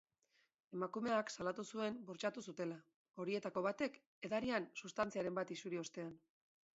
Emakumeak salatu zuen bortxatu zutela, horietako batek edarian substantziaren bat isuri ostean.